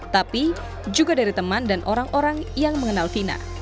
tapi juga dari teman dan orang orang yang mengenal vina